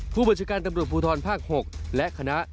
ผู้บัญชาการตำรวจภูทรภาค๖และคณะ